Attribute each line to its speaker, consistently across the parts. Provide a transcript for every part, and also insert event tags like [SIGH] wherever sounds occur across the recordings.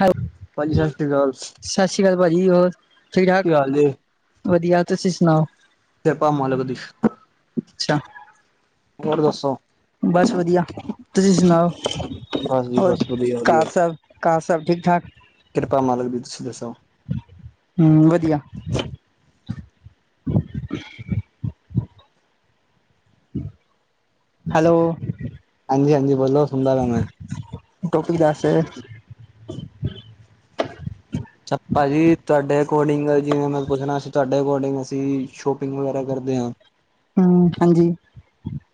Speaker 1: Hello.
Speaker 2: ਭਾਜੀ ਸਤਿ ਸ਼੍ਰੀ ਅਕਾਲ।
Speaker 1: ਸਤਿ ਸ਼੍ਰੀ ਅਕਾਲ ਭਾ ਜੀ। ਹੋਰ ਠੀਕ ਠਾਕ?
Speaker 2: ਕੀ ਹਾਲ ਜੇ
Speaker 1: ਵਧੀਆ ਤੁਸੀ ਸੁਣਾਓ?
Speaker 2: ਕਿਰਪਾ ਮਾਲਿਕ ਦੀ।
Speaker 1: ਅੱਛਾ
Speaker 2: ਹੋਰ ਦੱਸੋ?
Speaker 1: ਬਸ ਵਧੀਆ। ਤੁਸੀ ਸੁਣਾਓ?
Speaker 2: ਬਸ ਜੀ
Speaker 1: ਹੋਰ
Speaker 2: ਬਸ ਵਧੀਆ ਵਧੀਆ
Speaker 1: ਘਰ ਸਬ ਘਰ ਸਬ ਠੀਕ-ਠਾਕ?
Speaker 2: ਕਿਰਪਾ ਮਾਲਕ ਦੀ ਤੁਸੀਂ ਦੱਸੋ
Speaker 1: ਹੂੰ। ਵਧੀਆ। [UNINTELLIGIBLE] ਹੈਲੋ।
Speaker 2: ਹਾਂਜੀ ਹਾਂਜੀ ਬੋਲੋ ਸੁਣਦਾ ਪਿਆ ਮੈਂ
Speaker 1: ਟੋਪਿਕ ਦੱਸ ਅ
Speaker 2: ਭਾਜੀ ਤੁਹਾਡੇ ਅਕੋਰਡਿੰਗ ਜਿਵੇਂ ਮੈਂ ਪੁੱਛਣਾ ਅ ਤੁਹਾਡੇ ਅਕੋਰਡਿੰਗ ਅਸੀਂ ਸ਼ੋਪਿੰਗ ਵਗੈਰਾ ਕਰਦੇ ਹਾਂ
Speaker 1: ਹਮ ਹਾਂਜੀ।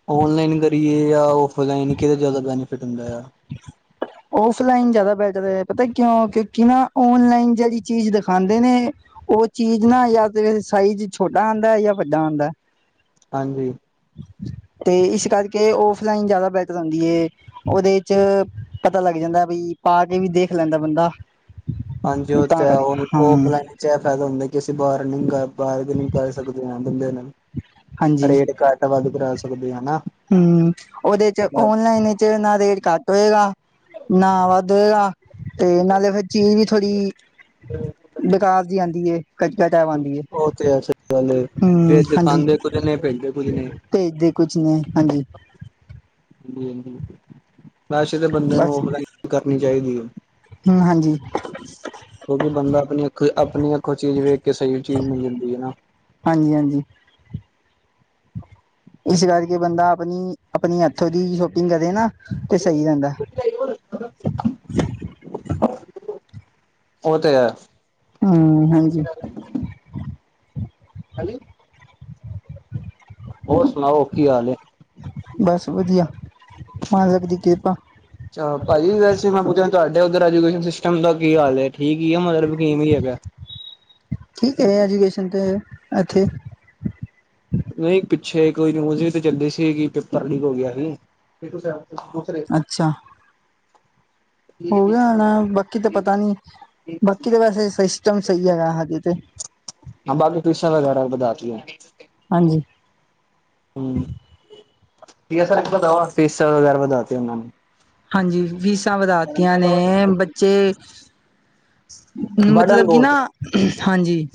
Speaker 2: ਔਨਲਾਈਨ ਕਰੀਏ ਜਾਂ ਔਫਲਾਈਨ ਕਿਹਦਾ ਜ਼ਿਆਦਾ ਬੈਨੀਫਿਟ ਹੁੰਦਾ ਆ।
Speaker 1: [INAUDIBLE] ਓਫਲਾਈਨ ਜ਼ਿਆਦਾ ਬੈਟਰ ਏ ਪਤਾ ਕਿਉਂ ਕਿਉਂਕਿ ਨਾ ਓਨਲਾਈਨ ਜਿਹੜੀ ਚੀਜ਼ ਦਿਖਾਂਦੇ ਨੇ ਉਹ ਚੀਜ਼ ਨਾ ਯਾ ਤੇ ਸਾਈਜ਼ ਛੋਟਾ ਆਂਦਾ ਜਾਂ ਵੱਡਾ ਆਂਦਾ।
Speaker 2: ਹਾਂਜੀ।
Speaker 1: ਤੇ ਇਸ ਕਰਕੇ ਓਫਲਾਈਨ ਜ਼ਿਆਦਾ ਬਿਹਤਰ ਹੁੰਂਦੀ ਏ। ਉਹਦੇ ਚ ਪਤਾ ਲੱਗ ਜਾਂਦਾ ਬਈ ਪਾ ਕੇ ਵੀ ਦੇਖ ਲੈਂਦਾ ਬੰਦਾ
Speaker 2: ਹਾਂਜੀ ਉਹ ਤੇ
Speaker 1: ਤਾਂ
Speaker 2: ਹੇ
Speaker 1: ਕਦੇ
Speaker 2: ਹੁਣ
Speaker 1: ਹਮ
Speaker 2: ਓਫਲਾਈਨ ਓਦੋ ਚ ਇਹ ਫਾਇਦਾ ਹੁੰਦਾ ਕਿ ਅਸੀਂ ਬਾਰਨਿੰਗ ਬਾਰਨਿੰਗ ਕਰ ਸਕਦੇ ਹ ਬੰਦੇ ਨਾਲ-
Speaker 1: ਹਾਂਜੀ
Speaker 2: ਰੇਟ ਘਟ ਵੱਧ ਕਰਾ ਸਕਦੇ ਹਨਾ।
Speaker 1: ਹਮ ਉਹਦੇ ਚ ਓਨਲਾਈਨ ਚ ਨਾ ਰੇਟ ਘੱਟ ਹੋਏਗਾ ਨਾ ਵੱਧ ਹੋਏਗਾ। ਤੇ ਨਾਲੇ ਫਿਰ ਚੀਜ਼ ਵੀ ਥੋੜ੍ਹੀ ਬੇਕਾਰ ਜੀ ਆਂਦੀ ਏ। ਕੱਚਕਾ ਚਾਹ ਆਉਂਦੀ ਹੈ,
Speaker 2: ਉਹ ਤੇ ਹੈ ਸਹੀ ਗੱਲ ਏ
Speaker 1: ਹਮ
Speaker 2: ਫੇਰ
Speaker 1: ਹਾਂਜੀ।
Speaker 2: ਦਿਖਾਂਦੇ ਕੁੱਝ ਨੇ ਭੇਜਦੇ ਕੁੱਝ ਨੇ
Speaker 1: ਭੇਜਦੇ ਕੁਛ ਨੇ ਹਾਂਜੀ।
Speaker 2: ਹਾਂਜੀ, ਹਾਂਜੀ ਵੈਸੇ ਤਾਂ ਬੰਦੇ ਨੂੰ ਓਫਲਾਈਨ ਕਰਨੀ ਚਾਹੀਦੀ ਏ।
Speaker 1: ਹਮ ਹਾਂਜੀ।
Speaker 2: ਕਿਉਂਕਿ ਬੰਦਾ ਆਪਣੀ ਅੱਖ ਆਪਣੀ ਅੱਖੋ ਚੀਜ਼ ਵੇਖ ਕੇ ਸਹੀ ਚੀਜ਼ ਮਿਲ ਜਾਂਦੀ ਹੈ ਨਾ।
Speaker 1: ਹਾਂਜੀ, ਹਾਂਜੀ ਇਸ ਕਰਕੇ ਬੰਦਾ ਆਪਣੀ, ਆਪਣੀ ਹੱਥੋਂ ਦੀ ਸ਼ੋਪਿੰਗ ਕਰੇ ਨਾ ਤੇ ਸਹੀ ਰਹਿੰਦਾ
Speaker 2: [UNINTELLIGIBLE] ਉਹ ਤੇ ਹੈ।
Speaker 1: ਹਮ ਹਾਂਜੀ।
Speaker 2: ਹਾਲ [INAUDIBLE] ਹੋਰ ਸੁਣਾਓ ਕੀ ਹਾਲ ਹੈ।
Speaker 1: ਬਸ ਵਧੀਆ ਮਾਲਕ ਦੀ ਕਿਰਪਾ।
Speaker 2: ਚ ਭਾਜੀ ਵੈਸੇ ਮੈਂ ਪੁੱਛਿਆ ਤੁਹਾਡੇ ਉੱਧਰ ਐਜੂਕੇਸ਼ਨ ਸਿਸਟਮ ਦਾ ਕੀ ਹਾਲ ਹੈ ਠੀਕ ਹੀ ਹੈ ਮਤਲਬ ਕਿਵੇਂ ਹੈਗਾ
Speaker 1: ਠੀਕ ਹੈ ਐਜੂਕੇਸ਼ਨ ਤੇ ਐਥੇ
Speaker 2: ਨਹੀਂ ਪਿੱਛੇ ਕੋਈ ਨਿਊਜ ਵੀ ਤੇ ਚੱਲਦੀ ਸੀ ਕਿ ਪੇਪਰ ਲੀਕ ਹੋ ਗਿਆ ਸੀ
Speaker 1: ਅੱਛਾ। ਹੋ ਗਿਆ ਹੋਣਾ ਬਾਕੀ ਤਾਂ ਪਤਾ ਨੀ ਬਾਕੀ ਤਾਂ ਵੈਸੇ ਸਿਸਟਮ ਸਹੀ ਹੈਗਾ ਹਜੇ ਤੇ
Speaker 2: ਹਾ ਬਾਕੀ ਫੀਸਾ ਵਗੈਰਾ ਵਧਾ ਤੀਆ
Speaker 1: ਹਾਂਜੀ।
Speaker 2: ਹਮ ਫੀਸਾਂ ਵਗੈਰਾ ਵਧਾਤੀ ਉਹਨਾਂ ਨੂੰ
Speaker 1: ਹਾਂਜੀ ਫੀਸਾਂ ਵਧਾਤੀਆਂ ਨੇ ਬੱਚੇ
Speaker 2: ਬਰਡਨ
Speaker 1: ਮਤਲਬ ਕਿ
Speaker 2: ਬਹੁਤ ਏ।
Speaker 1: ਨਾ ਹਾਂਜੀ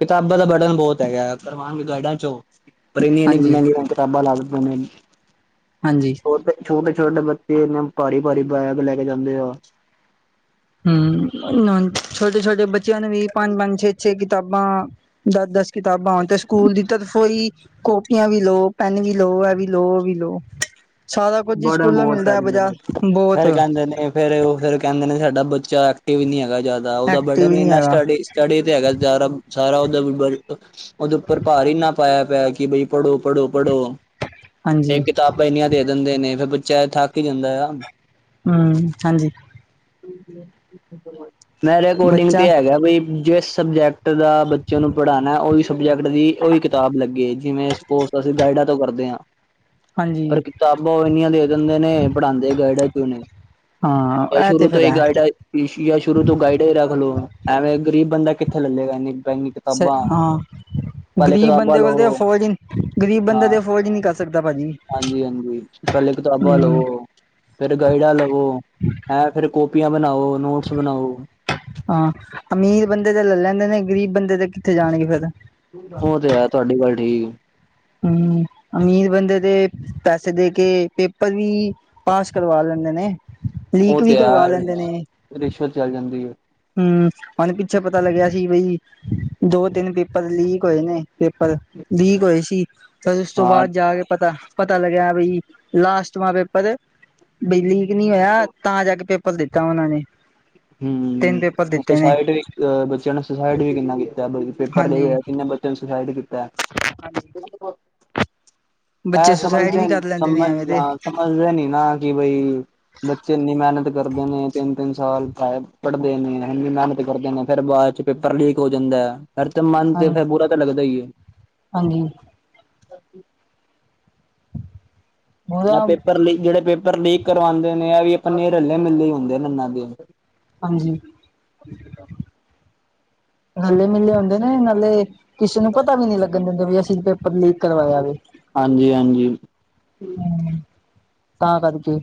Speaker 2: ਕਿਤਾਬਾਂ ਦਾ ਬਰਡਨ ਬੋਤ ਹੈਗਾ ਕਰਵਾਨਗੇ ਗਾਈਡਾਂ ਚੋਂ ਪਰ ਇੰਨੀ ਇੰਨੀ
Speaker 1: ਹਾਂਜੀ,
Speaker 2: ਮਹਿੰਗੀਆਂ ਕਿਤਾਬਾਂ ਲਾ ਦਿੰਦੇ ਨੇ
Speaker 1: ਹਾਂਜੀ।
Speaker 2: ਛੋਟੇ, ਛੋਟੇ ਬੱਚੇ ਇੰ ਨੇਭਾਰੀ ਭਾਰੀ ਬੈਗ ਲੈ ਕੇ ਜਾਂਦੇ ਆ
Speaker 1: ਹਮ ਓਨਾ ਛੋਟੇ ਛੋਟੇ ਬੱਚਿਆਂ ਨੂੰ ਵੀ ਪੰਜ-ਪੰਜ, ਛੇ-ਛੇ ਕਿਤਾਬਾਂ ਦਸ ਦਸ ਕਿਤਾਬਾਂ ਹੋਨ ਤੇ ਸਕੂਲ ਦੀ ਤਰਫੋ ਹੀ ਕੋਪੀਆਂ ਵੀ ਲਓ ਪੈਨ ਵੀ ਲਓ ਆ ਵੀ ਲਓ ਵੀ ਲਓ ਸਾਰਾ ਕੋਜ ਈਂ
Speaker 2: ਬਰਡਨ
Speaker 1: ਸਕੂਲੋਂ
Speaker 2: ਬਹੁਤ ਪੈ
Speaker 1: ਮਿਲਦੈ, ਬਜਾਰ
Speaker 2: ਜਾਂਦਾ
Speaker 1: ਬੋਤ
Speaker 2: ਫੇਰ ਕਹਿੰਦੇ ਨੇ ਫੇਰ ਓ ਫੇਰ ਕੈਂ ਦੇ ਨੇ ਸਾਡਾ ਬੱਚਾ ਐਕਟਿਵ ਨੀ ਹੈਗਾ ਜਾਦਾ, ਓਦਾ
Speaker 1: ਐਕਟਿਵ
Speaker 2: ਬਰਡਨ
Speaker 1: ਨੀ
Speaker 2: ਏਨਾ
Speaker 1: ਹੈਗਾ
Speaker 2: ਸਟੱਡੀ ਸਟਡੀ ਤੇ ਹੈਗਾ ਜਾ ਸਾਰਾ ਓਦਾ ਓਦੇ ਉੱਪਰ ਭਾਰ ਈ ਇੰਨਾ ਪਾਇਆ ਪੇਆ ਕਿ ਬਈ ਪੜੋ-ਪੜੋ-ਪੜੋ। ਏ
Speaker 1: ਹਾਂਜੀ।
Speaker 2: ਕਿਤਾਬਾਂ ਇੰਨੀਆਂ ਦੇ ਦਿੰਦੇ ਨੇ ਫੇਰ ਬੱਚਾ ਥੱਕ ਈ ਜਾਂਦਾ ਆ।
Speaker 1: ਹੁੰ, ਹਾਂਜੀ।
Speaker 2: ਮੇਰੇ ਐਕੋਟਿੰਗ
Speaker 1: ਬੱਚਾ
Speaker 2: ਤੇ ਹੈਗਾ ਬਈ ਜਿਸ ਸਬਜੈਕਟ ਦਾ ਬੱਚੇ ਨੂੰ ਪੜਾਨੈ, ਓਈ ਸਬਜੈਕਟ ਦੀ ਓਈ ਕਿਤਾਬ ਲੱਗੇ, ਜਿਵੇਂ ਸਪੋਜ ਅਸੀਂ ਗਾਈਡਾਂ ਤੋਂ ਕਰਦੇ ਆਂ।
Speaker 1: ਹਾਂਜੀ
Speaker 2: ਪਰ ਕਿਤਾਬਾਂ ਓ ਏਨੀਆਂ ਦੇ ਦਿੰਦੇ ਨੇ ਪੜਾਦੇ ਗਾਈਡਾਂ ਚੋਂ ਨੇ ਯਾ
Speaker 1: ਹਾਂ ਇਹ
Speaker 2: ਸ਼ੁਰੂ
Speaker 1: ਤੇ
Speaker 2: ਤੋਂ
Speaker 1: ਫਿਰ ਹੈ।
Speaker 2: ਯਾ ਸ਼ੁਰੂ ਤੋਂ ਗਾਈਡ ਈ ਰੱਖ ਲੋ, ਐਵੇਂ ਗਰੀਬ ਬੰਦਾ ਕਿੱਥੇ ਲਲੇਗਾ ਏਨੀ ਮੈਂਗੀ
Speaker 1: ਸ ਹਾਂ ਗਰੀਬ
Speaker 2: ਕਿਤਾਬਾਂ
Speaker 1: ਬੰਦੇ ਕੋਲ ਤਾਂ
Speaker 2: ਲਵੋ
Speaker 1: ਅਫੋਰਡ ਈ ਨੀਂ, ਗਰੀਬ ਬੰਦਾ ਤੇ ਅਫੋਰਡ ਈ ਨੀਂ ਕਰ ਸਕਦਾ ਭਾਜੀ।
Speaker 2: ਹਾਂਜੀ-ਹਾਂਜੀ। ਪੈਲੇ ਕਿਤਾਬਾਂ ਲੋ
Speaker 1: ਹਮ
Speaker 2: ਫੇਰ ਗਾਈਡਾ ਲਵੋ, ਹੈਂ, ਫੇਰ ਕੋਪੀਆਂ ਬਨਾਓ, ਨੋਟਸ ਬਨਾਓ
Speaker 1: ਹਾਂ, ਅਮੀਰ ਬੰਦੇ ਤੇ ਲਲੈਂਦੇ ਨੇ ਗ਼ਰੀਬ ਬੰਦੇ ਤੇ ਕਿੱਥੇ ਜਾਣਗੇ ਫੇਰ?
Speaker 2: ਓ ਤੇ ਐ, ਤੁਆਡੀ ਗੱਲ ਠੀਕੇ।
Speaker 1: ਹੁੰ, ਅਮੀਰ ਬੰਦੇ ਤੇ ਪੈਸੇ ਦੇ ਕੇ ਪੇਪਰ ਵੀ ਪਾਸ ਕਰਵਾ ਲੈਂਦੇ ਨੇ,
Speaker 2: ਉਹ
Speaker 1: ਲੀਕ ਵੀ
Speaker 2: ਤੇ
Speaker 1: ਕਰਵਾ ਲੈਂਦੇ ਨੇ।
Speaker 2: ਹੈ ਰਿਸ਼ਵਤ ਚੱਲ ਜਾਂਦੀ ਏ।
Speaker 1: ਹੁੰ, ਹੋਨ ਪਿੱਛੇ ਪਤਾ ਲੱਗਿਆ ਸੀ ਬਈ ਦੋ-ਤੇਨ ਪੇਪਰ ਲੀਕ ਹੋਏ ਨੇ। ਪੇਪਰ ਲੀਕ ਹੋਏ ਸੀ, ਫੇਰ ਓਸ ਤੋਂ
Speaker 2: ਹਾਂ
Speaker 1: ਬਾਦ ਜਾ ਕੇ ਪਤਾ ਪਤਾ ਲੱਗਿਆ ਬਈ, ਲਾਸਟਵਾਂ ਪੇਪਰ ਬਈ ਲੀਕ ਨੀਂ ਹੋਆ ਤਾਂ ਜਾ ਕੇ ਪੇਪਰ ਦਿੱਤਾ ਓਨਾਂ ਨੇ। ਤਿੰਨ ਪੇਪਰ
Speaker 2: ਹੁੰ,
Speaker 1: ਦਿੱਤੇ ਨੇ
Speaker 2: ਸੋਸਾਇਟ ਵੀ ਅ ਬੱਚਿਆਂ ਨੇ ਸੋਸਾਇਟ ਵੀ ਕਿੰਨਾ ਕੀਤਾ ਪੇਪਰ ਲੀਕ
Speaker 1: ਹਾਂਜੀ
Speaker 2: ਹੋਆ, ਕਿੰਨੇ ਬੱਚੇ ਨੇ ਸੋਸਾਈਡ ਕੀਤਾ। ਐ
Speaker 1: ਬੱਚੇ ਸੁਸਾਈਡ
Speaker 2: ਸਮਂਝਦੇ
Speaker 1: ਵੀ ਕਰ ਲੈਂਦੇ ਨੇ ਐਵੇਂ ਤੇ
Speaker 2: ਸਮਂਝਦਾਰ ਸਮਝਦੇ ਨੀਂ ਨਾ। ਕਿ ਬਈ ਬੱਚੇ ਏਨੀ ਮੇਨਤ ਕਰਦੇ ਨੇ ਤੇਂਨ-ਤੇਂਨ ਸਾਲ। ਪੜਦੇ ਨੇ, ਏਨੀ ਮੇਨਤ ਕਰਦੇ ਨੇ, ਫੇਰ ਬਾਦ ਚੱ ਪੇਪਰ ਲੀਕ ਹੋ ਜਾਂਦੈ। ਹਰ ਤੇ ਮਨ
Speaker 1: ਹਾਂ
Speaker 2: ਤੇ, ਫੇਰ ਬੁਰਾ ਤਾਂ ਲਗਦਾ ਈਏ।
Speaker 1: ਹਾਂਜੀ।
Speaker 2: ਐ
Speaker 1: ਉਹਦਾ
Speaker 2: ਪੇਪਰ ਲੀਕ ਜੇੜੇ ਪੇਪਰ ਲੀਕ ਕਰਵਾਂਦੇ ਨੇ ਐਵੀ ਅਪਨੇ ਰੱਲੇ-ਮਿੱਲੇ ਈ ਹੁੰਦੇ ਨੇ ਏਨਾਂ ਦੇ।
Speaker 1: ਹਾਂਜੀ। ਰੱਲੇ-ਮਿੱਲੇ ਹੁੰਦੇ ਨੇ ਨਾਲੇ ਕਿਸੇ ਨੂੰ ਪਤਾ ਵੀ ਨੀ ਲੱਗਣ ਦਿੰਦੇ ਵੀ, ਅਸੀ ਪੇਪਰ ਲੀਕ ਕਰਵਾਯਾ ਵੇ।
Speaker 2: ਹਾਂਜੀ-ਹਾਂਜੀ।
Speaker 1: ਹੁੰ, ਤਾਂ ਕਰਕੇ।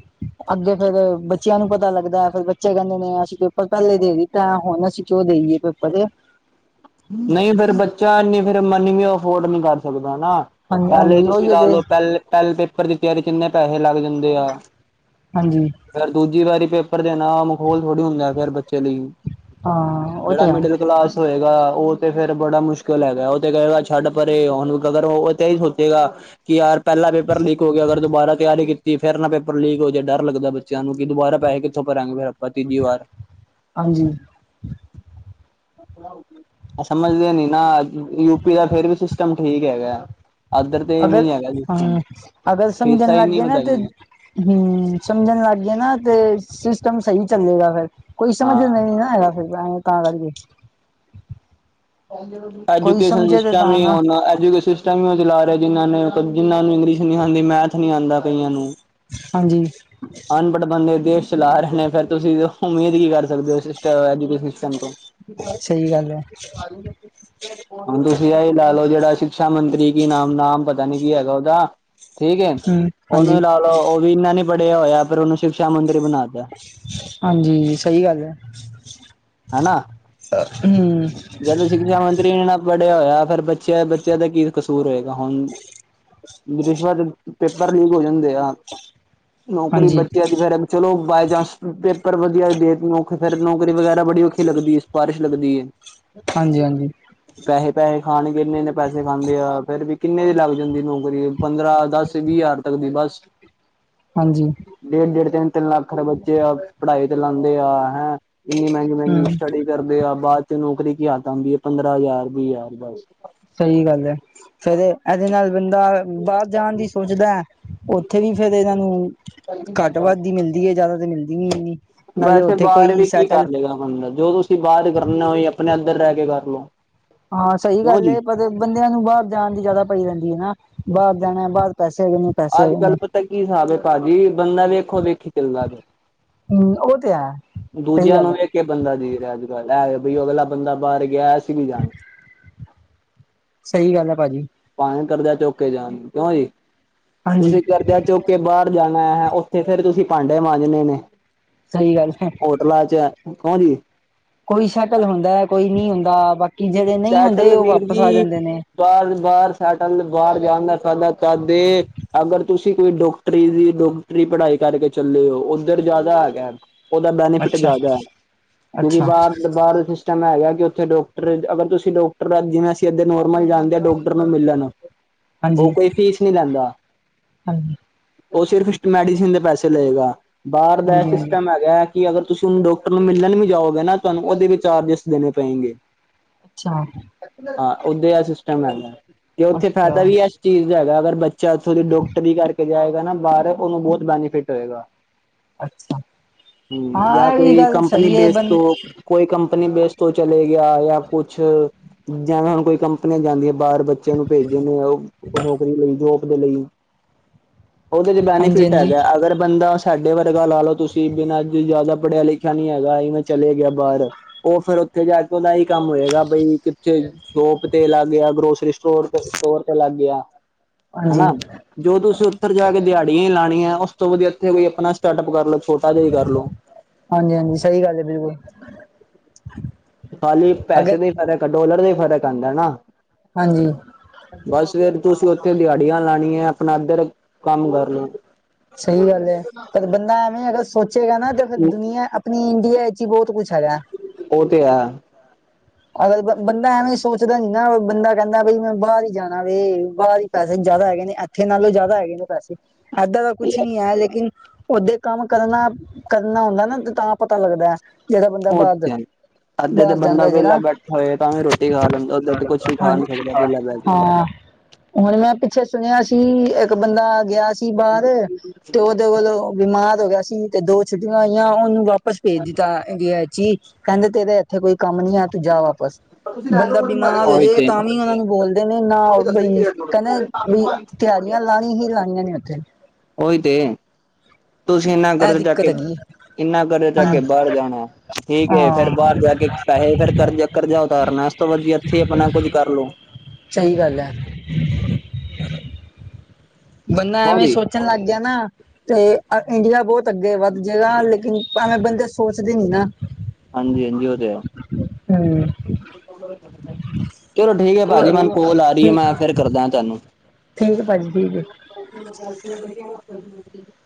Speaker 1: ਅੱਗੇ ਫੇਰ ਬੱਚਿਆਂ ਨੂੰ ਪਤਾ ਲੱਗਦਾ ਫੇਰ ਬੱਚੇ ਕੈਂਦੇ ਨੇ ਅਸੀ ਪੇਪਰ ਪੈਲੇ ਦੇ ਤਾਂ ਹੋਨ ਅਸੀ ਕਿਉਂ ਦੇਈਏ ਪੇਪਰ।
Speaker 2: ਨਈਂ, ਫੇਰ ਬੱਚਾ ਏਨੀ ਫੇਰ ਮਨੀ ਵੀ ਅਫੋਰਡ ਨਈਂ ਕਰ ਸਕਦਾ ਨਾ।
Speaker 1: ਹਾਂਜੀ
Speaker 2: ਪੈਲੇ
Speaker 1: ਹਾਂਜੀ
Speaker 2: ਤੁਸੀਂ
Speaker 1: ਉਹੀ ਤੇ
Speaker 2: ਲਾਲੋ, ਪੈਲੇ ਪੈਲੇ ਪੇਪਰ ਦੀ ਤੀਆਰੀ ਚ ਇੰਨੇ ਪੈਹੇ ਲੱਗ ਜਾਂਦੇ ਆ।
Speaker 1: ਹਾਂਜੀ।
Speaker 2: ਫੇਰ ਦੂਜੀ ਵਾਰੀ ਪੇਪਰ ਦੇਨਾਂ ਮਖੌਲ ਥੋੜੀ ਹੁੰਦਾ ਫੇਰ ਬੱਚੇ ਲਈ।
Speaker 1: ਹਾਂ ਉਹ
Speaker 2: ਜੇੜਾ
Speaker 1: ਤੇ ਹੈ
Speaker 2: ਮਿਡਲ ਕਲਾਸ ਹੋਏਗਾ ਓ ਤੇ ਫੇਰ ਬੜਾ ਮੁਸ਼ਕਲ ਹੈਗਾ, ਓ ਤੇ ਕਏਗਾ ਛੱਡ ਪਰੇ ਹੋਨ ਅਗਰ ਓ ਓਤੇ ਏਈ ਸੋਚੇਗਾ ਕਿ ਯਾਰ ਪੇਲਾ ਪੇਪਰ ਲੀਕ ਹੋ ਗੇਆ, ਅਗਰ ਦੁਬਾਰਾ ਤਿਆਰੀ ਕੀਤੀ ਕੀ ਫਿਰ ਨਾ ਪੇਪਰ ਲੀਕ ਹੋ ਜਾਏ ਡਰ ਲੱਗਦਾ ਬੱਚੇਆਂ ਨੂੰ ਕਿ ਦੁਬਾਰਾ ਪੈਹੇ ਕਿੱਥੋਂ ਭਰਾਂਗੇ ਫਿਰ ਆਪਾਂ ਤੀਜੀ ਵਾਰ।
Speaker 1: ਹਾਂਜੀ।
Speaker 2: ਹ [UNINTELLIGIBLE] ਏ ਸਮਂਝਦੇ ਨੀ- ਨਾ, ਯੂਪੀ ਦਾ ਫੇਰ ਵੀ ਸਿਸਟਮ ਠੀਕ ਹੈਗਾ। ਇੱਧਰ ਤੇ
Speaker 1: ਅਗਰ
Speaker 2: ਇਵੇਂ ਹੈਗਾ ਸਿਸਟਮ।
Speaker 1: ਹਮ ਅਗਰ ਸਮਂਝਣ
Speaker 2: ਫੀਸਾਂ ਹੀ
Speaker 1: ਲੱਗ
Speaker 2: ਨਹੀਂ
Speaker 1: ਗਏ ਨਾ ਤੇ
Speaker 2: ਵਧਾਈਆਂ
Speaker 1: ਹਮ ਸਮਂਝਣ ਲੱਗ ਗਏ ਨਾ ਤੇ, ਸਿਸਟਮ ਸਈ ਚੱਲੇਗਾ ਫੇਰ। ਕੋਈ ਸਮਂਝਦਾ
Speaker 2: ਹਾਂ
Speaker 1: ਨਈ ਨਾ ਹੈਗਾ ਫਿਰ ਤਾਂ ਕਰਕੇ। ਕੋਈ
Speaker 2: ਐਜੂਕੇਸ਼ਨ
Speaker 1: ਸਮਝੇ ਤੇ
Speaker 2: ਸਿਸਟਮ
Speaker 1: ਤਾਂ
Speaker 2: ਵੀ
Speaker 1: ਨਾ
Speaker 2: ਓਨਾ ਐਜੂਕੇਸ਼ਨ ਸਿਸਟਮ ਈ ਓਨਾ ਚਲ ਰਏ ਜਿਨਾਂ ਨੂੰ -ਜਿੰਨਾਂ ਨੂੰ ਇੰਗਲਿਸ਼ ਨਈ ਆਂਦੀ, ਮੈਥ ਨੀ ਆਂਦਾ ਕਈਆਂ ਨੂੰ
Speaker 1: ਹਾਂਜੀ।
Speaker 2: ਅਨਪੜ੍ਹ ਬੰਦੇ ਦੇਸ਼ ਚਲਾ ਰਹੇ ਨੇ ਫੇਰ ਤੁਸੀਂ ਉਮੀਦ ਕੀ ਕਰ ਸਕਦੇ ਹੋ ਸਿਸਟ, ਐਜੂਕੇਸ਼ਨ ਸਿਸਟਂਮ ਤੋਂ।
Speaker 1: ਲੈ
Speaker 2: ਹੁਣ ਤੁਸੀਂ ਆਹੀ ਲਾ ਲਓ ਜੇੜਾ ਸ਼ਿਕਸ਼ਾ ਮੰਤਰੀ ਕੀ ਨਾਮ, ਨਾਮ ਪਤਾ ਨੀ ਕੀ ਹੈਗਾ ਓਦਾ? ਠੀਕ ਏ
Speaker 1: ਹੂੰ
Speaker 2: ਓਨੂੰ ਵੀ
Speaker 1: ਹਾਂਜੀ
Speaker 2: ਲਾ ਲੋਓ, ਓ ਵੀ ਇਨਾ ਨੀ ਪੜ੍ਹੇਆ ਹੋਏਆ ਫਿਰ ਓਨੂੰ ਸ਼ਿਕਸ਼ਾ ਮੰਤਰੀ ਬਣਾਤਾ।
Speaker 1: ਹਾਂਜੀ ਸਈ ਗੱਲ ਐ।
Speaker 2: ਹਨਾ
Speaker 1: ਹਮ
Speaker 2: ਜਦ ਸ਼ਿਕਸ਼ਾ ਮੰਤਰੀ ਨਾ ਪੜ੍ਹੇਆ ਹੋਏਆ, ਫੇਰ ਬੱਚੇਆ, ਬੱਚੇਆਂ ਦਾ ਕੀ ਕਸੂਰ ਹੋਏਗਾ ਹੁਣ, ਰਿਸ਼ਵਤ ਪੇਪਰ ਲੀਕ ਹੋ ਜਾਂਦੇ ਆ। ਨੌਕਰੀ
Speaker 1: ਹਾਂਜੀ
Speaker 2: ਬੱਚੇਆਂ ਦੀ ਫਿਰ ਚਲੋ, ਬਾਈ ਚਾਂਸ ਪੇਪਰ ਵੱਧੀਆ ਹੋਵੇ, ਦੇਖੇ ਫਿਰ ਨੌਕਰੀ ਵਗੈਰਾ ਬੜੀ ਔਖੀ ਲੱਗਦੀ ਏ, ਸਿਪਾਰਿਸ਼ ਲੱਗਦੀ ਏ।
Speaker 1: ਹਾਂਜੀ- ਹਾਂਜੀ।
Speaker 2: ਪੈਸੇ -ਪੈਸੇ ਖਾਣਗੇ, ਇੰਨੇ -ਇੰਨੇ ਪੈਸੇ ਖਾਂਦੇ ਆ, ਫੇਰ ਵੀ ਕਿੰਨੇ ਦੀ ਲੱਗ ਜਾਂਦੀ ਨੌਕਰੀ, ਪੰਦਰਾਂ, ਦਸ, ਵੀਹ ਹਜ਼ਾਰ ਤੱਕ ਦੀ ਬਸ।
Speaker 1: ਹਾਂਜੀ।
Speaker 2: ਡੇਢ, ਡੇਢ ਤਿੰਨ, ਤਿੰਨ ਲੱਖ ਦੇ ਬੱਚੇ ਆ ਪੜ੍ਹਾਈ ਤੇ ਲਾਂਦੇ ਆ ਹੈ, ਏਨੀ ਮੇਂਗੀ, ਮੇਂਗੀ
Speaker 1: ਹੂੰ
Speaker 2: ਸਟੱਡੀ ਕਰਦੇ ਆ ਬਾਅਦ ਚੱ ਨੌਕਰੀ ਕੀ ਹੱਥ ਆਂਦੀ ਆ, ਪੰਦਰਾਂ ਹਜ਼ਾਰ, ਵੀਹ ਹਜ਼ਾਰ ਬਸ।
Speaker 1: ਸਈ ਗੱਲ ਐ, ਫਿਰ ਏਦੇ ਨਾਲੋ ਬੰਦਾ ਬਾਰ ਜਾਣ ਦੀ ਸੋਚਦਾ ਓਥੇ ਵੀ ਫਿਰ ਏਨਾਂ ਨੂੰ ਘੱਟ ਵੱਧ ਈ, ਮਿਲਦੀ ਏ, ਜ਼ਾਦਾ ਤੇ ਮਿਲਦੀ ਨੀ ਏਨੀ।
Speaker 2: ਵੈਸੇ ਬਾਹਰ ਵੀ ਕੀ ਕਰ ਲੇ ਗਾ ਬੰਦਾ, ਜੋ ਤੁਸੀਂ ਬਾਰ ਕਰਨਾ, ਓਈ ਆਪਣੇ ਅੰਦਰ ਰੈ ਕੇ ਕਰ ਲਓ।
Speaker 1: ਹਾਂ ਸਈ
Speaker 2: ਕਿਉਂ
Speaker 1: ਗੱਲ
Speaker 2: ਜੀ
Speaker 1: ਏ, ਪਰ ਬੰਦੇਆਂ ਨੂੰ ਬਾਰ ਜਾਣ ਦੀ ਜ਼ਾਦਾ ਪਈ ਰੇਂਦੀ ਹੈ ਨਾ। ਬਾਰ ਜਾਣਾ, ਬਾਰ ਪੈਸੇ ਹੈਗੇ ਨੇ, ਪੈਸੇ ਹੈਗੇ ਨੇ।
Speaker 2: ਪਤਾਂ ਕੀ ਹਿਸਾਬ ਏ ਪਾਜੀ, ਬੰਦਾ ਵੇਖੋ -ਵੇਖੀ ਚੱਲਦਾ ਪੇਆ।
Speaker 1: ਹੂੰ, ਓ ਤੇ ਹੈ। ਸਹੀ
Speaker 2: ਦੂਜੇਆਂ
Speaker 1: ਗੱਲ
Speaker 2: ਨੂੰ
Speaker 1: ਹੈ
Speaker 2: ਵੇਖ ਕੇ ਬੰਦਾ ਦੇਖਦਾ ਅੱਜ- ਕੱਲ ਏ ਆ, ਬਈ ਓ ਅਗਲਾ ਬੰਦਾ ਬਾਰ ਗੇਆ ਅਸੀਂ ਵੀ ਜਾਣਾ।
Speaker 1: ਸਈ ਗੱਲ ਆ ਪਾਜੀ।
Speaker 2: ਪਾਵੇ ਕਰਜ਼ਾ ਚੌਕੇ ਜਾਣ ਕਿਓਜੀ,
Speaker 1: ਹਾਂਜੀ
Speaker 2: ਤੁਸੀਂ ਕਰਜ਼ਾ ਚੌਕੇ ਕੇ ਬਾਰ ਜਾਣਾ ਓਥੇ ਫੇਰ ਤੁਸੀਂ ਭਾਂਡੇ ਮਾਂਜਣੇ ਨੇ।
Speaker 1: ਸਹੀ ਗੱਲ ਹੈ।
Speaker 2: ਹੋਟਲਾਂ ਚ ਹੋਰ ਜੀ।
Speaker 1: ਕੋਈ ਸੈਟਲ ਹੁੰਦਾ, ਕੋਈ ਨਈ ਹੁੰਦਾ, ਬਾਕੀ ਜੇੜੇ ਨਈ ਹੁੰਦੇ, ਓ ਵਾਪਸ ਆ ਜਾਂਦੇ ਨੇ।
Speaker 2: ਬਾਰ-ਬਾਰ ਸੈਟਲ, ਬਾਰ ਜਾਨ ਦਾ ਫੈਦਾ ਤਦ ਏ ਅਗਰ ਤੁਸੀਂ ਕੋਈ ਡੋਕਟਰੀ ਦੀ ਡੋਕਟਰੀ ਪੜ੍ਹਾਈ ਕਰਕੇ ਚੱਲੇ ਓ, ਓਧਰ ਫੈਦਾ ਹੈਗਾ ਉਹਦਾ ਬੈਨੀਫਿਟ
Speaker 1: ਅੱਛਾ
Speaker 2: ਜ਼ਿਆਦਾ ਹੈ। ਕਿਉਂਕਿ
Speaker 1: ਅੱਛਾ
Speaker 2: ਬਾਹਰ ਬਾਹਰ ਦਾ ਸਿਸਟਮ ਹੈਗਾ ਕਿ ਉੱਥੇ। ਅਗਰ ਤੁਸੀਂ ਡਾਕਟਰ ਜਿਵੇਂ ਅਸੀਂ ਇੱਕ ਨੋਰਮਲ ਜਾਂਦੇ ਹਾਂ। ਡਾਕਟਰ ਨੂੰ ਮਿਲਣ, ਉਹ
Speaker 1: ਹਾਂਜੀ
Speaker 2: ਕੋਈ ਫੀਸ ਨਹੀਂ ਲੈਂਦਾ।
Speaker 1: ਹਾਂਜੀ
Speaker 2: ਉਹ ਸਿਰਫ ਮੈਡੀਸਿਨ ਦੇ ਪੈਸੇ ਲਏਗਾ। ਬਾਹਰ ਦਾ
Speaker 1: ਹਾਂਜੀ ਹਾਂਜੀ
Speaker 2: ਸਿਸਟਮ ਹੈਗਾ, ਕਿ ਅਗਰ ਤੁਸੀਂ ਉਹਨੂੰ ਡਾਕਟਰ ਨੂੰ ਮਿਲਣ ਵੀ ਜਾਓਗੇ ਨਾ ਤੁਹਾਨੂੰ ਉਹਦੇ ਵੀ ਚਾਰਜਿਸ ਦੇਣੇ ਪੈਣਗੇ।
Speaker 1: ਅੱਛਾ।
Speaker 2: ਹਾਂ ਉਦੇ ਐ ਸਿਸਟਮ ਹੈਗਾ, ਜ ਉੱਥੇ ਫਾਇਦਾ
Speaker 1: ਅੱਛਾ
Speaker 2: ਵੀ ਹੈ। ਚੀਜ਼ ਦਾ ਹੈਗਾ ਅਗਰ ਬੱਚਾ ਇੱਥੋਂ ਦੀ ਡੋਕਟਰੀ ਕਰਕੇ ਜਾਏਗਾ ਨਾ ਬਾਹਰ, ਉਹਨੂੰ ਬੋਤ ਬੈਨੀਫਿਟ ਹੋਏਗਾ।
Speaker 1: ਅੱਛਾ
Speaker 2: ਹੂੰ, ਜਾਂ
Speaker 1: ਹਾਂ ਇਹ ਵੀ
Speaker 2: ਕੋਈ
Speaker 1: ਗੱਲ
Speaker 2: ਕੰਪਨੀ
Speaker 1: ਸਹੀ ਹੈ
Speaker 2: ਬੇਸ
Speaker 1: ਬੰ
Speaker 2: ਤੋਂ, ਕੋਈ ਕੰਪਨੀ ਬੇਸ ਤੋਂ ਚਲੇ ਗਿਆ ਜਾਂ ਕੁਛ। ਜਿਵੇਂ ਹੁਣ ਕੋਈ ਕੰਪਨੀਆਂ ਜਾਂਦੀਆਂ ਬਾਹਰ ਬੱਚਿਆਂ ਨੂੰ ਭੇਜੇ ਨੇ ਉਹ। ਨੌਕਰੀ ਲਈ ਜੋਬ ਦੇ ਲਈ।
Speaker 1: ਹਾਂਜੀ-ਹਾਂਜੀ।
Speaker 2: ਉਹਦੇ ਚ ਬੈਨੀਫਿਟ ਹੈਗਾ ਅਗਰ ਬੰਦਾ ਸਾਡੇ ਵਰਗਾ ਲਾ ਲਓ ਤੁਸੀਂ ਬਿਨਾਂ ਅੱਜ ਜ਼ਿਆਦਾ ਪੜ੍ਹਿਆ ਲਿਖਿਆ। ਖਿਆ ਨੀ ਹੈਗਾ ਇਵੇਂ ਚਲੇ ਗਿਆ ਬਾਹਰ ਉਹ ਫਿਰ ਉੱਥੇ ਜਾ ਕੇ ਉਹਦਾ ਹੀ। ਕੰਮ ਹੋਏਗਾ ਬਈ ਕਿੱਥੇ ਸ਼ੋਪ ਤੇ ਲਗ ਗਿਆ। ਗਰੋਸਰੀ ਸਟੋਰ ਤੇ ਸਟੋਰ ਤੇ ਲਗ ਗਿਆ।
Speaker 1: ਹਾਂਜੀ
Speaker 2: ਹੈਨਾ। ਜੋ ਤੁਸੀਂ ਉਧਰ ਜਾ ਕੇ ਦਿਹਾੜੀਆਂ ਹੀ ਲਾਣੀਆਂ ਉਸ ਤੋ ਵਧੀਆ ਐਥੇ ਕੋਈ ਆਪਣਾ ਸਟਾਰਟ ਅਪ ਕਰ ਲਓ ਛੋਟਾ ਜਿਹਾ ਹੀ ਕਰ ਲਓ।
Speaker 1: ਹਾਂਜੀ, ਹਾਂਜੀ ਸਹੀ ਗੱਲ ਹੈ ਬਿਲਕੁਲ।
Speaker 2: ਖਾਲੀ ਪੈਸੇ
Speaker 1: ਅਗਰ
Speaker 2: ਦਾ ਹੀ ਫ਼ਰਕ ਡੋਲਰ ਦਾ ਹੀ ਫਰਕ ਆਂਦਾ ਨਾ।
Speaker 1: ਹਾਂਜੀ।
Speaker 2: ਬਸ ਫਿਰ ਤੁਸੀਂ ਉੱਥੇ ਦਿਹਾੜੀਆਂ ਲਾਣੀਐ ਹੈ। ਆਪਣਾ ਇੱਧਰ ਕੰਮ ਕਰਲੋ।
Speaker 1: ਸਹੀ ਗੱਲ ਹੈ ਪਰ ਬੰਦਾ ਐਵੇਂ ਅਗਰ ਸੋਚੇਗਾ। ਨਾ ਤੇ ਫਿਰ ਦੁਨੀਆਂ, ਆਪਣੀ ਇੰਡੀਆ ਵਿੱਚ ਹੀ ਬੋਤ ਕੁਛ ਹੈਗਾ।
Speaker 2: ਉਹ ਤੇ ਹੈ।
Speaker 1: ਅਗਰ ਬੰਦਾ ਐਵੇਂ ਸੋਚਦਾ ਨੀ ਨਾ, ਬੰਦਾ ਕਹਿੰਦਾ ਬਈ ਮੈਂ ਬਾਹਰ ਹੀ ਜਾਣਾ ਵੇ, ਬਾਹਰ ਹੀ ਪੈਸੇ ਨ ਜ਼ਿਆਦਾ ਹੈਗੇ ਐਥੇ ਨਾਲੋਂ ਜ਼ਿਆਦਾ ਹੈਗੇ ਨੇ ਪੈਸੇ, ਐਦਾਂ ਦਾ ਕੁੱਛ ਨੀ ਹੈ ਲੇਕਿਨ। ਓਦੇ ਕੰਮ ਕਰਨਾ ਕਰਨਾ ਹੁੰਦਾ ਨਾ ਤਾਂ ਪਤਾ ਲੱਗਦਾ। ਜਿਹੜਾ ਬੰਦਾ
Speaker 2: ਉਹ
Speaker 1: ਬਾਹਰ-
Speaker 2: ਤੇ
Speaker 1: ਬਾਹਰ ਜਾਂਦਾ ਜਿਹੜਾ।
Speaker 2: ਘਰੇ ਤਾਂ ਵੀ ਰੋਟੀ ਖਾ ਲੈਂਦਾ, ਉੱਧਰ ਤੇ ਕੁੱਛ ਹੀ
Speaker 1: ਹਾਂ
Speaker 2: ਖਾ ਨੀ ਸਕਦਾ ਵੇਲਾ ਬੈਠ ਕੇ।
Speaker 1: ਹਾਂ ਹੁਣ ਮੈਂ ਪਿੱਛੇ ਸੁਣਿਆ ਸੀ। ਇੱਕ ਬੰਦਾ ਗਿਆ ਸੀ। ਬਾਹਰ ਤੇ ਉਹਦੇ ਕੋਲੋਂ ਬਿਮਾਰ ਹੋ ਗਿਆ ਸੀ। ਤੇ ਦੋ ਛੁੱਟੀਆਂ ਆਈਆਂ ਉਹਨੂੰ ਵਾਪਸ। ਵਾਪਸ ਭੇਜ ਦਿੱਤਾ ਇੰਡੀਆ ਚ, ਈ ਕਹਿੰਦੇ ਤੇਰਾ ਇੱਥੇ ਕੋਈ ਕੰਮ ਨੀ ਆ ਤੂੰ ਜਾ ਵਾਪਸ। ਬੰਦਾ ਬਿਮਾਰ ਹੋ
Speaker 2: ਉਹੀ
Speaker 1: ਜਾਏ
Speaker 2: ਤੇ
Speaker 1: ਤਾਂ ਵੀ ਉਹਨਾ ਨੂੰ ਬੋਲਦੇ ਨੇ ਨਾ ਬਈ। ਕਹਿੰਦੇ ਵੀ ਦਿਹਾੜੀਆਂ ਲਾਣੀ ਹੀ ਲਾਣੀਆਂ ਨੇ ਉੱਥੇ।
Speaker 2: ਉਹੀ ਤੇ ਤੁਸੀਂ ਇੰਨਾ
Speaker 1: ਇਹ
Speaker 2: ਕਰਜਾ ਚੱਕ
Speaker 1: ਦਿੱਕਤ
Speaker 2: ਕੇ।
Speaker 1: ਹੈਗੀ
Speaker 2: ਇੰਨਾ ਕਰਜ਼ਾ ਚੱਕ
Speaker 1: ਹਾਂ
Speaker 2: ਕੇ ਬਾਹਰ ਜਾਣਾ ਠੀਕ ਏ ਫੇਰ
Speaker 1: ਹਾਂ
Speaker 2: ਬਾਹਰ ਜਾ ਕੇ ਪੈਸੇ ਫੇਰ ਕਰਜਾ। ਕਰਜਾ ਉਤਾਰਨਾ ਐਸ ਤੋਂ ਵਧੀਆ ਐਥੇ ਈ ਆਪਨਾ ਕੁੱਝ ਕਰ ਲੋੋ
Speaker 1: ਸਹੀ ਗੱਲ ਹੈ ਬੰਦਾ ਐਵੇਂ
Speaker 2: ਹਾਂਜੀ
Speaker 1: ਸੋਚਣ ਲੱਗ ਗਿਆ ਨਾ ਤੇ ਅ ਇੰਡੀਆ ਬੋਤ ਅੱਗੇ ਵੱਧ ਜਏਗਾ ਲੇਕਿਨ ਸਾਂਵੇ ਬੰਦੇ ਸੋਚਦੇ ਨੀ ਨਾ
Speaker 2: ਹਾਂਜੀ ਹਾਂਜੀ ਉਹ ਤੇ ਹੈ
Speaker 1: ਹਮ
Speaker 2: ਚਲੋ ਠੀਕ ਹੈ ਭਾਜੀ ਮੈਨ
Speaker 1: ਚਲੋ
Speaker 2: ਕੋਲ ਆ ਰਹੀ ਹੈ
Speaker 1: ਠੀਕ
Speaker 2: ਮੈਂ ਫੇਰ ਕਰਦਾ ਹਾਂ ਤੁਹਾਨੂੰ
Speaker 1: ਠੀਕ ਹੈ ਭਾਜੀ ਜੀ ਠੀਕ ਏ
Speaker 2: [INAUDIBLE]